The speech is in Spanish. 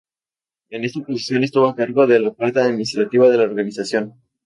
En esta posición estuvo a cargo de la parte administrativa de la organización.